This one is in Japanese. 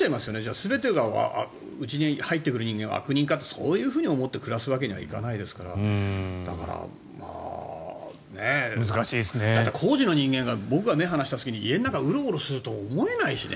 全てが、うちに入ってくる人間は悪人かってそういうふうに思って暮らすわけにはいかないですからだから、工事の人間が僕が目を離した隙に家の中をウロウロするとは思えないしね。